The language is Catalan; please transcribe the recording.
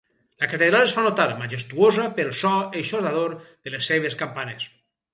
La catedral es fa notar, majestuosa, pel so eixordador de les seves campanes.